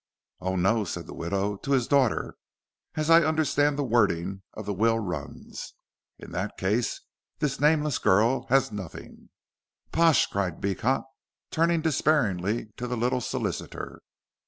"Oh, no," said the widow, "to his daughter, as I understand the wording of the will runs. In that case this nameless girl has nothing." "Pash!" cried Beecot, turning despairingly to the little solicitor.